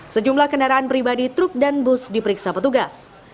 sejumlah kendaraan pribadi truk dan bus diperiksa petugas